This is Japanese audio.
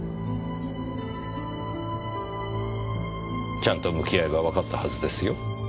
ちゃんと向き合えばわかったはずですよ。